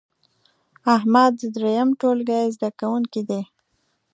احمد د دریم ټولګې زده کوونکی دی.